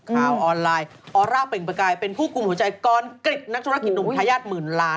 ออนไลน์ออร่าเปล่งประกายเป็นผู้กลุ่มหัวใจกรกริจนักธุรกิจหนุ่มทายาทหมื่นล้าน